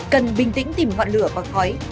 cần bình tĩnh tìm ngọn lửa và khói